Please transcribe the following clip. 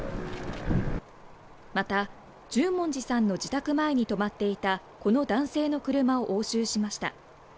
また、十文字さんの自宅前に止まっていたこの男性の車を押収しました。